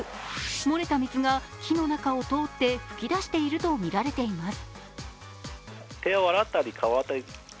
漏れた水が木の中を通って噴き出しているとみられます。